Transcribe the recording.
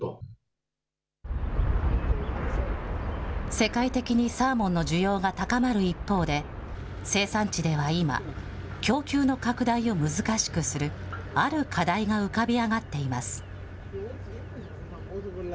世界的にサーモンの需要が高まる一方で、生産地では今、供給の拡大を難しくする、ある課題が浮かび上がっています。